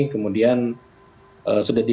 kemudian sudah diperlukan penyelamatkan rumah rumah